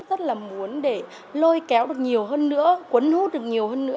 rất là muốn để lôi kéo được nhiều hơn nữa quấn hút được nhiều hơn nữa